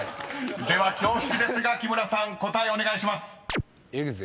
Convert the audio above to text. ［では恐縮ですが木村さん答えお願いします］